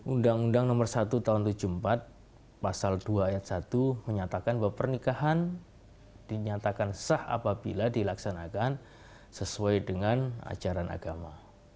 undang undang nomor satu tahun seribu sembilan ratus tujuh puluh empat pasal dua ayat satu menyatakan bahwa pernikahan dinyatakan sah apabila dilaksanakan sesuai dengan ajaran agama